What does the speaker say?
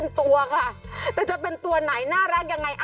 แล้วกดเถอะนะทำไง